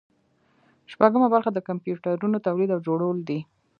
شپږمه برخه د کمپیوټرونو تولید او جوړول دي.